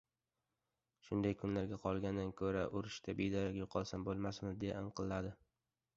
— Shunday kunlarga qolgandan ko‘ra, urushda bedarak yo‘qolsam bo‘lmasmidi...— deya inqilladi.